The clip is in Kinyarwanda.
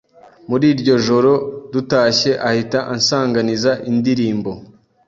Muri iryo joro dutashye ahita ansanganiza indirimbo